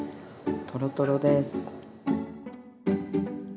トロトロです。